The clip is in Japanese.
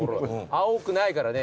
青くないからね。